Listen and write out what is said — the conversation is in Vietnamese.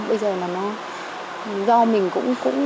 bây giờ là nó do mình cũng chủ quan